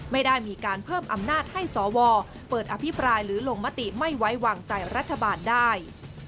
ไม่ได้มีการเพิ่มอำนาจให้สวเปิดอภิปรายหรือลงมติไม่ไว้วางใจรัฐบาลได้